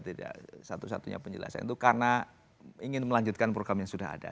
tidak satu satunya penjelasan itu karena ingin melanjutkan program yang sudah ada